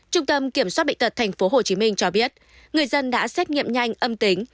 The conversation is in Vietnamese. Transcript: trung tâm kiểm soát bệnh tật tp hcm cho biết người dân đã xét nghiệm nhanh âm tính